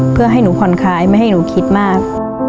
เพื่อให้หนูผ่อนคลายไม่ให้หนูคิดมาก